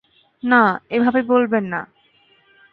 না, এভাবে বলবেননা।